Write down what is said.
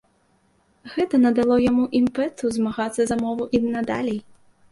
Гэта надало яму імпэту змагацца за мову і надалей.